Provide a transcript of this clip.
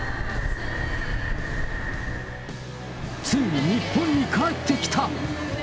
ついに日本に帰ってきた。